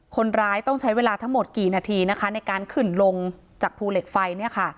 คนร้ายต้องใช้เวลาทั้งหมดกี่นาทีนะคะในการขึ้นลงจากภูเหล็กไฟเนี่ยค่ะ